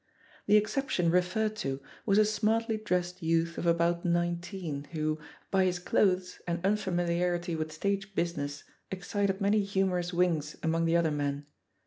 The exception referred to was a smartly dressed youth of about nineteen, who, by his clothes and unfamiliarity with stage "business, excited many humorous winks among the other M THE POSITION OF PEGGY HARPER men.